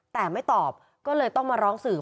แต่ไม่ตอบก็เลยต้องมาร้องสื่อ